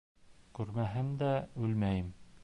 Күрмәһәм дә үлмәйем.